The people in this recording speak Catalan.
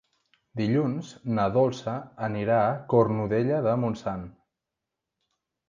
Dilluns na Dolça anirà a Cornudella de Montsant.